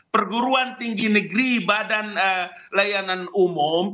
perguruan tinggi negeri badan layanan umum